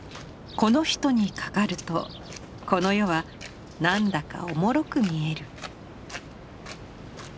この人にかかるとこの世は何だかおもろく見える。